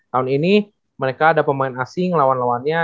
tahun ini mereka ada pemain asing lawan lawannya